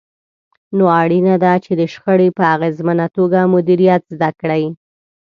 نو اړينه ده چې د شخړې په اغېزمنه توګه مديريت زده کړئ.